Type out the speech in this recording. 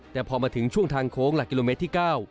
แต่พอมาถึงช่วงทางโค้งหลักกิโลเมตรที่๙